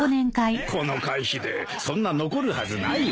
この会費でそんな残るはずないよなあ。